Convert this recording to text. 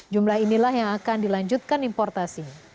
jumlah inilah yang akan dilanjutkan importasi